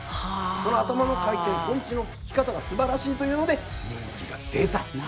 その頭の回転とんちの利き方がすばらしいというので人気が出たと。